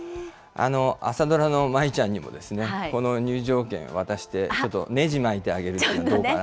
朝ドラの舞ちゃんにもですね、この入場券、渡して、ちょっとネジ巻いてあげるというのはどうかな。